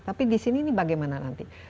tapi di sini ini bagaimana nanti